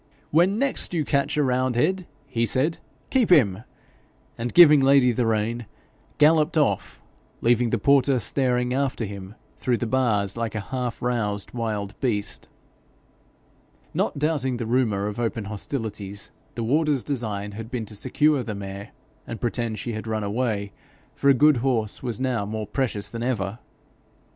'When next you catch a roundhead,' he said, 'keep him;' and giving Lady the rein, galloped off, leaving the porter staring after him through the bars like a half roused wild beast. Not doubting the rumour of open hostilities, the warder's design had been to secure the mare, and pretend she had run away, for a good horse was now more precious than ever.